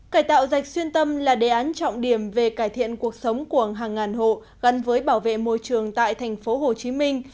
cải tạo rạch xuyên tâm là đề án trọng điểm về cải thiện cuộc sống của hàng ngàn hộ gắn với bảo vệ môi trường tại thành phố hồ chí minh